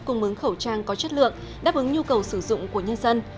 cung mứng khẩu trang có chất lượng đáp ứng nhu cầu sử dụng của nhân dân